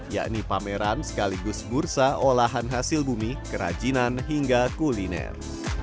yakni pameran sekaligus bursa olahan hasil bumi kerajinan hingga kuliner